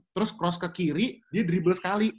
terus cross ke kiri dia drible sekali